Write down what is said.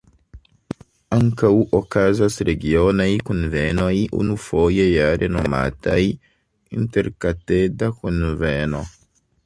Ankaŭ okazas regionaj kunvenoj unufoje jare nomataj "interkadeta kunveno".